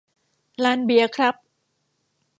ลานเบียร์ครับ